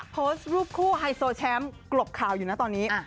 โพสต์รูปคู่ไฮโซแชมป์กลบข่าวอยู่นะตอนนี้